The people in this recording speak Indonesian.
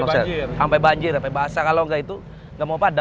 sampai banjir sampai basah kalau nggak itu nggak mau padam